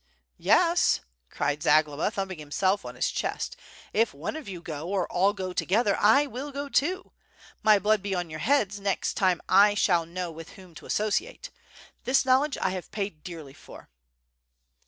"Yes," cried Zagloba, thumping himself on his chest. "If one of you go, or all go together, I will go too. My blood be on your heads, next time I shall know with whom to associate. This knowledge I have paid dearly for."